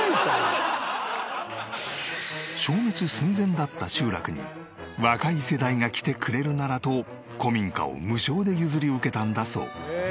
消滅寸前だった集落に若い世代が来てくれるならと古民家を無償で譲り受けたんだそう。